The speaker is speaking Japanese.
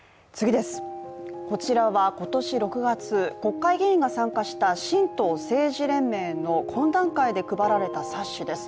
こちらは今年６月、国会議員が参加した神道政治連盟の懇談会で配られた冊子です。